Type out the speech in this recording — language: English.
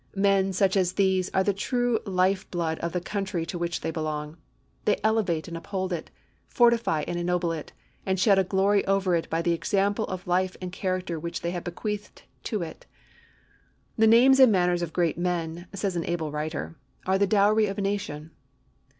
Men such as these are the true life blood of the country to which they belong. They elevate and uphold it, fortify and ennoble it, and shed a glory over it by the example of life and character which they have bequeathed to it. "The names and manners of great men," says an able writer, "are the dowry of a nation."